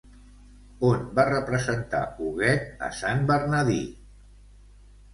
On va representar Huguet a sant Bernadí?